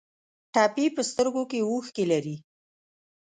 ټپي په سترګو کې اوښکې لري.